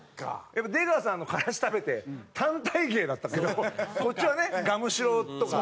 出川さんのからし食べて単体芸だったけどこっちはねガムシロとか。